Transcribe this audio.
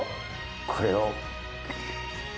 これを。